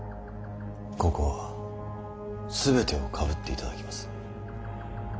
ここは全てをかぶっていただきます。